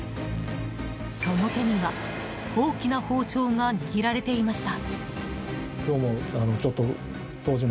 その手には大きな包丁が握られていました。